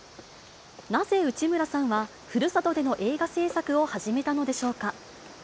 なぜ内村さんは、ふるさとでの映画製作を始めたのでしょうか。